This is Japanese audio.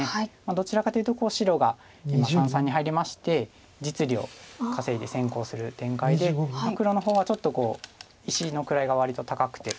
どちらかというと白が今三々に入りまして実利を稼いで先行する展開で黒の方はちょっと石の位が割と高くて。